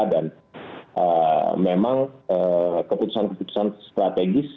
memang keputusan keputusan strategis